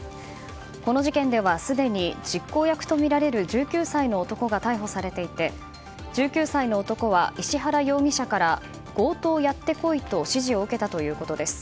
この事件ではすでに実行役とみられる１９歳の男が逮捕されていて１９歳の男は、石原容疑者から強盗やってこいと指示を受けたということです。